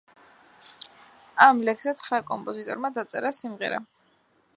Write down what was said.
ამ ლექსზე ცხრა კომპოზიტორმა დაწერა სიმღერა.